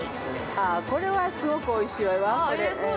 これはすごくおいしいわよ。